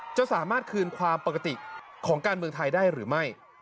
จะสามารถคืนความปกติของการเมืองไทยได้หรือไม่